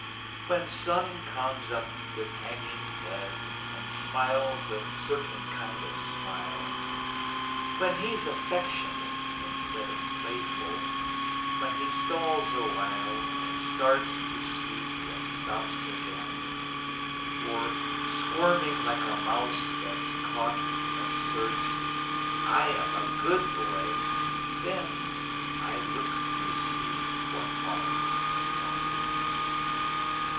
When Son comes up with hanging head And smiles a certain kind of smile, When he's affectionate instead Of playful; when he stalls awhile And starts to speak and stops again, Or, squirming like a mouse that's caught, Asserts, "I am a GOOD boy," then I look to see what harm's been wrought.